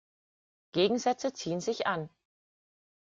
Gegensätze ziehen sich an.